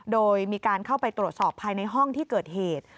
โดยมีการเข้าไปตรวจสอบภายในห้องที่เกิดเหตุ